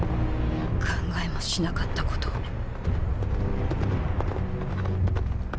考えもしなかったことを。